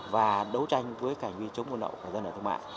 và đấu tranh với cảnh viên chống buôn lậu của dân ở thương mại